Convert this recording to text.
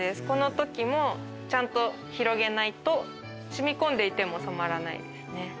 このときもちゃんと広げないと染み込んでいても染まらないですね。